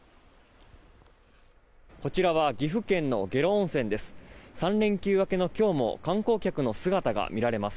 こちらは岐阜県の下呂温泉です